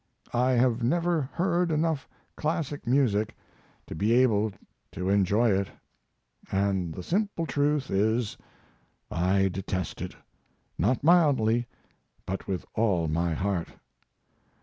I have never heard enough classic music to be able to enjoy it, and the simple truth is I detest it. Not mildly, but with all my heart.